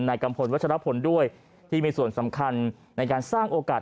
กัมพลวัชรพลด้วยที่มีส่วนสำคัญในการสร้างโอกาส